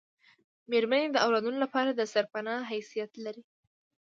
میرمنې د اولادونو لپاره دسرپنا حیثیت لري